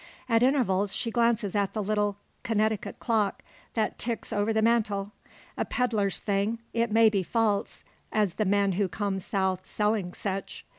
At intervals she glances at the little "Connecticut" clock that ticks over the mantel. A pedlar's thing, it may be false, as the men who come south selling "sech."